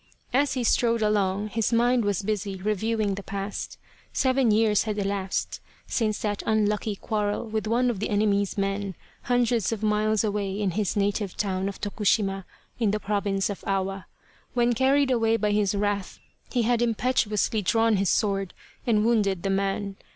As he strode along his mind was busy reviewing the past. Seven years had elapsed since that un lucky quarrel with one of the enemy's men, hundreds of miles away in his native town of Tokushima in the Province of Awa, when carried away by his wrath he had impetuously drawn his sword and wounded the man.